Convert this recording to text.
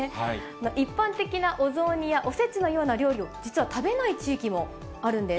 一般的なお雑煮やおせちのような料理を、実は食べない地域もあるんです。